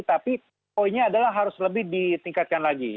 tapi poinnya adalah harus lebih ditingkatkan lagi